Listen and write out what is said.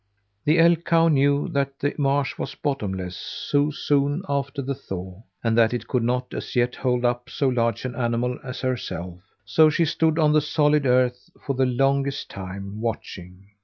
The elk cow knew that the marsh was bottomless so soon after the thaw, and that it could not as yet hold up so large an animal as herself, so she stood on the solid earth for the longest time, watching!